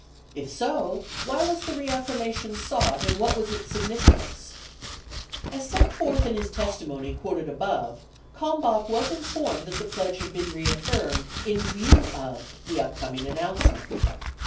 If so, why was the reaffirmation sought and what was its significance ? As set forth in his testimony quoted above, Kalmbach was informed that the pledge had been reaffirmed "in view of" the upcoming an nouncement.